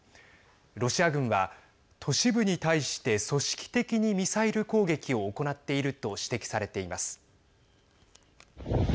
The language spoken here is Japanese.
ロシア軍は、都市部に対して組織的にミサイル攻撃を行っていると指摘されています。